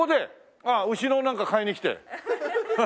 ああ牛のなんか買いに来て？